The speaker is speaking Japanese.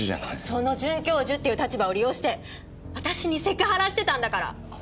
その准教授っていう立場を利用して私にセクハラしてたんだから！